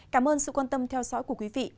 cảm ơn sự quan tâm theo dõi của quý vị